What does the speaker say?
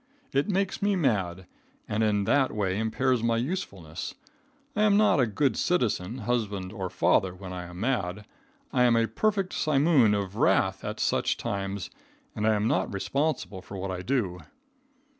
It makes me mad, and in that way impairs my usefulness. I am not a good citizen, husband or father when I am mad. I am a perfect simoom of wrath at such times, and I am not responsible for what I do.